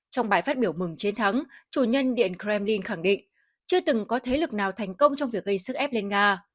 trong bài phát biểu mừng chiến thắng chủ nhân điện kremlin khẳng định chưa từng có thế lực nào thành công trong việc gây sức ép lên nga